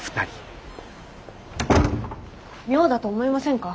妙だと思いませんか？